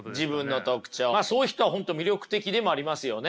まあそういう人は本当魅力的でもありますよね。